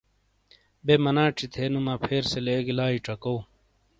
بے مناچی تھے نو مپھیر سے لیگی لائی چکاؤ۔